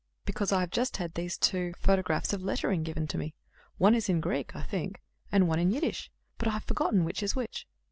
"Because I have just had these two photographs of lettering given to me. One is in Greek, I think, and one in Yiddish, but I have forgotten which is which."